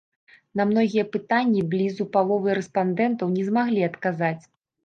На многія пытанні блізу паловы рэспандэнтаў не змаглі адказаць.